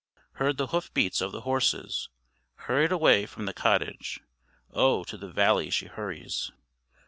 Heard the hoof beat of the horses, Hurried away from the cottage; Oh! to the valley she hurries.